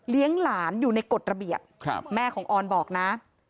เลี้ยงหลานอยู่ในกฎระเบียบแม่ของอรบอกนะ